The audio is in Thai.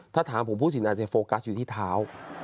ถ้าถามผมผู้สินอาจจะโฟกัสอยู่ที่เท้า